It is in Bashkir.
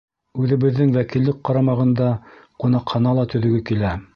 Үҙебеҙҙең вәкиллек ҡарамағында ҡунаҡхана ла төҙөгө килә.